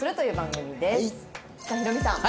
ヒロミさん